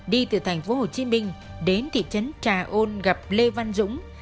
đi từ thành phố hồ chí minh đến thị trấn trà ôn gặp lê văn dũng